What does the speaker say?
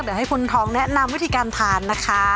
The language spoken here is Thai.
เดี๋ยวให้คุณทองแนะนำวิธีการทานนะคะ